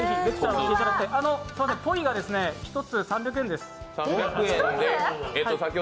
ポイが１つ３００円です。